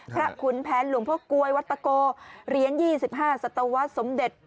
พระขุนแผนหลวงพ่อก๊วยวัดตะโกเรียน๒๕สัตวศสมเด็จ